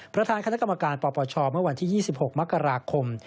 ประธานคณะกรรมการปปชเมื่อวันที่๒๖มกราคม